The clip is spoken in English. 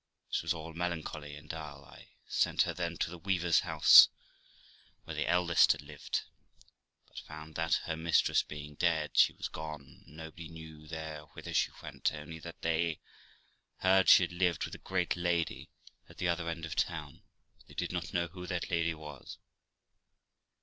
This was all melancholy and dull. I sent her then to the weaver's house, where the eldest had lived, but found that, her mistress being dead, she was gone, and nobody knew there whither she went, only that they heard she had lived with a great lady at the other end of the town; but they did not know who that lady was.